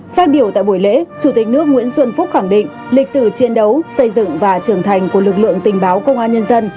phát biểu tại buổi lễ chủ tịch nước nguyễn xuân phúc khẳng định lịch sử chiến đấu xây dựng và trưởng thành của lực lượng tình báo công an nhân dân